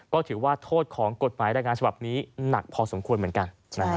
ก็ถือว่าโทษของกฎหมายรายงานฉบับนี้หนักพอสมควรเหมือนกัน